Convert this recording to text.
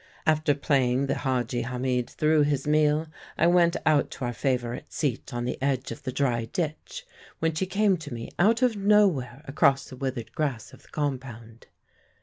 After playing the Hadji Hamid through his meal I went out to our favourite seat on the edge of the dry ditch, when she came to me out of nowhere across the withered grass of the compound.